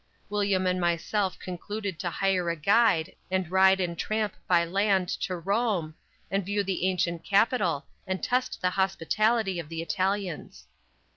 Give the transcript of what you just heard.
William and myself concluded to hire a guide and ride and tramp by land to Rome, and view the ancient capital and test the hospitality of the Italians.